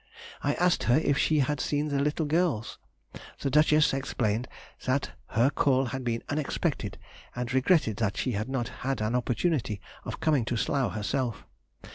I asked her if she had seen the little girls. The Duchess explained that her call had been unexpected, and regretted that she had not had an opportunity of coming to Slough herself.